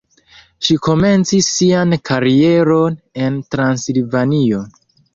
Ŝi komencis sian karieron en Transilvanio.